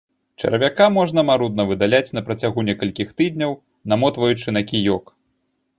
Чарвяка можна марудна выдаляць на працягу некалькіх тыдняў, намотваючы на кіёк.